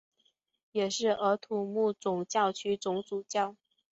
也是喀土穆总教区总主教。